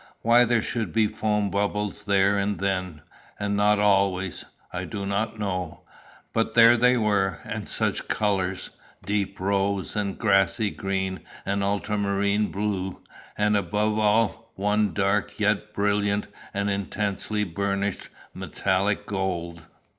Why there should be foam bubbles there then, and not always, I do not know. But there they were and such colours! deep rose and grassy green and ultramarine blue; and, above all, one dark, yet brilliant and intensely burnished, metallic gold.